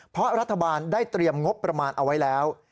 เพราะรัฐบาลได้เตรียมงบประมาณเอาไว้แล้ว